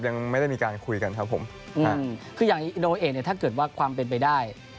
ยังไม่ได้มีการคุยกันครับผมคืออย่างอินโดเองเนี่ยถ้าเกิดว่าความเป็นไปได้